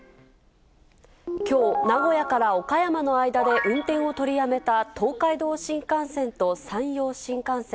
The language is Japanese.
きょう、名古屋から岡山の間で運転を取りやめた東海道新幹線と山陽新幹線。